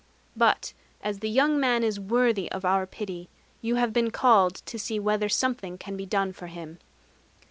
But as the young man is worthy of Our pity, you have been called to see whether something can be done for him.